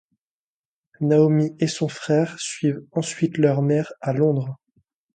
Naomi et son frère suivent ensuite leur mère à Londres.